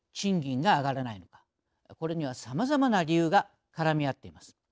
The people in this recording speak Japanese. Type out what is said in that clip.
これにはさまざまな理由が絡み合っています。